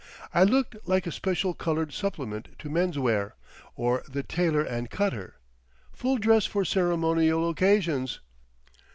I looked like a special coloured supplement to Men's Wear, or The Tailor and Cutter, Full Dress For Ceremonial Occasions.